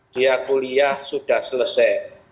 dia kuliah sudah selesai